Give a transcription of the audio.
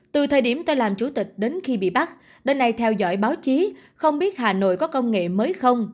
từ thời điểm tôi làm chủ tịch đến khi bị bắt đến nay theo dõi báo chí không biết hà nội có công nghệ mới không